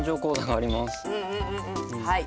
はい。